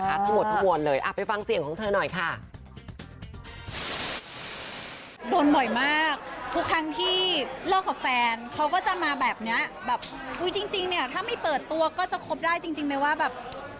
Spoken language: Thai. แบบอุ๊ยจริงเนี่ยถ้าไม่เปิดตัวก็จะครบได้จริงไม่ว่าแบบ